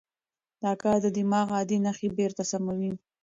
دا کار د دماغ عادي نښې بېرته سموي.